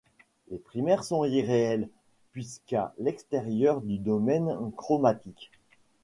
Ces primaires sont irréelles puisqu'à l'extérieur du domaine chromatique.